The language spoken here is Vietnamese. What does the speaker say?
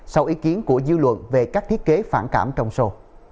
sau ý kiến của dư luận về các thiết kế phản cảm trong sô